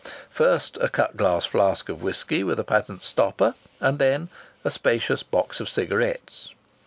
B.," first a cut glass flask of whisky with a patent stopper, and then a spacious box of cigarettes.